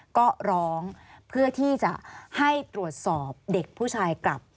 ก็ร้องเพื่อที่จะให้ตรวจสอบเด็กผู้ชายกลับ